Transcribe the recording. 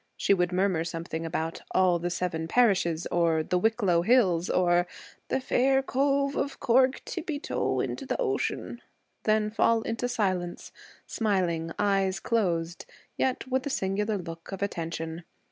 She would murmur something about 'all the seven parishes,' or the Wicklow hills, or 'the fair cove of Cork tippy toe into the ocean'; then fall into silence, smiling, eyes closed, yet with a singular look of attention.